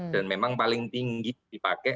dan memang paling tinggi dipakai